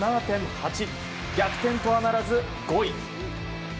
逆転とはならず、５位。